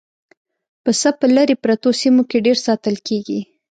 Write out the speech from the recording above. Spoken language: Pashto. پسه په لرې پرتو سیمو کې ډېر ساتل کېږي.